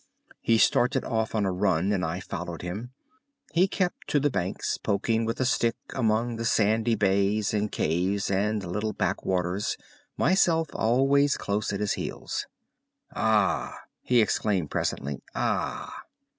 He started off on a run, and I followed him. He kept to the banks, poking with a stick among the sandy bays and caves and little back waters, myself always close on his heels. "Ah!" he exclaimed presently, "ah!"